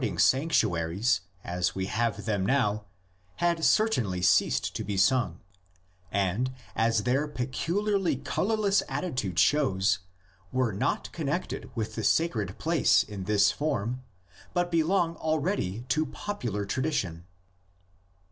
ing sanctuaries as we have them now had certainly ceased to be sung, and, as their peculiarly colorless attitude shows, were not connected with the sacred place in this form, but belong already to popular tradition.